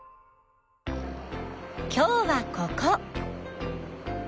今日はここ。